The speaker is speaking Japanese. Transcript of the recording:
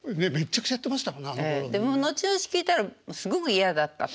でも後々聞いたらすごく嫌だったって。